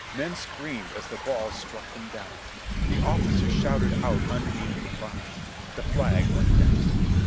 Men screamed as the balls struck them down. The officers shouted out unmeaning cries. The flag went down.